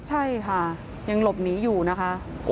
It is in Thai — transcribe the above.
ใช่ค่ะยังหลบหนีอยู่นะคะ